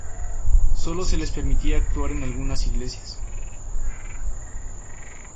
Sólo se les permitía actuar en algunas iglesias.